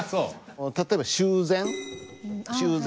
例えば「修繕」「修繕」。